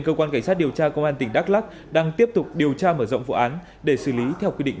cơ quan cảnh sát điều tra công an tỉnh đắk lắc đang tiếp tục điều tra mở rộng vụ án để xử lý theo quy định